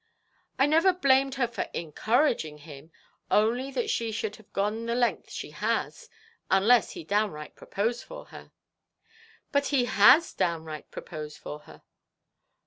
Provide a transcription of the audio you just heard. "I never blamed her for encouraging him; only she should not have gone the length she has, unless he downright proposed for her." "But he has downright proposed for her."